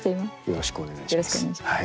よろしくお願いします。